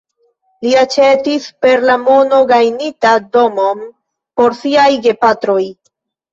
Li aĉetis, per la mono gajnita, domon por siaj gepatroj.